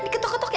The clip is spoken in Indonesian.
ketok ketok ya